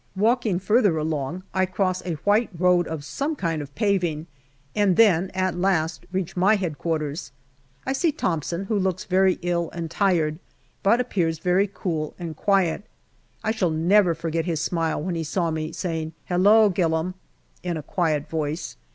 Walking further along, I cross a white road of some kind of paving, and then at last reach my H.Q. I see Thomson, who looks very ill and tired, but appears very cool and quiet. I shall never forget his smile when he saw me, saying " Hello, Gillam !" in a quiet voice.